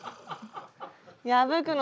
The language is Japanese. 破くの。